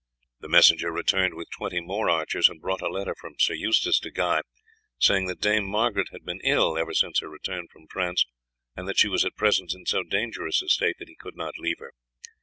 The messenger returned with twenty more archers, and brought a letter from Sir Eustace to Guy saying that Dame Margaret had been ill ever since her return from France, and that she was at present in so dangerous a state that he could not leave her.